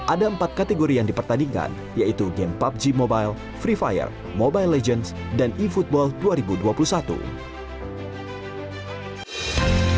ada empat kategori yang dipertandingkan yaitu game pubg mobile free fire mobile legends dan e football dua ribu dua puluh satu